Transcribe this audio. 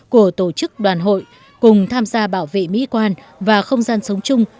của tổ chức đoàn hội cùng tham gia bảo vệ mỹ quan và không gian sống chung